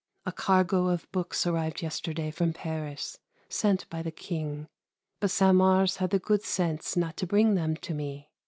A cargo of books arrived yesterday from Paris, sent by the King, but Saint Mars had the good sense not to bring them to me.